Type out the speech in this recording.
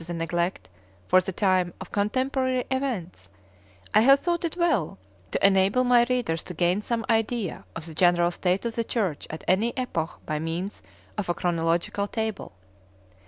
the neglect, for the time, of contemporary events, I have thought it well to enable my readers to gain some idea of the general state of the Church at any epoch by means of a Chronological Table.